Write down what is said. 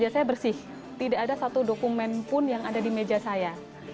saya bersih tidak ada satu dokumen pun yang ada di meja saya